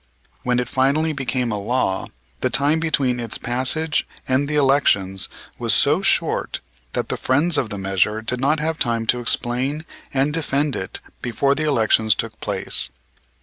When it finally became a law the time between its passage and the elections was so short that the friends of the measure did not have time to explain and defend it before the elections took place.